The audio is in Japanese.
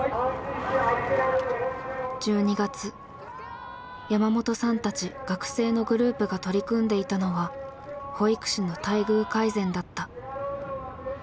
１２月山本さんたち学生のグループが取り組んでいたのは保育士の待遇改善だった。